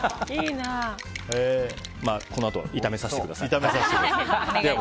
このあとは炒めさせてください。